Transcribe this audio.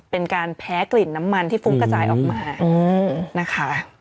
เป็นการแพ้กลิ่นน้ำมันที่ฟุ้งกระจายออกมานะคะ